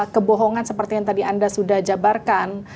kebohongan seperti yang tadi anda sudah jabarkan